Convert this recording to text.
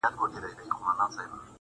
مورې! مرغۍ شمه بڼې وکړم که څه وکړمه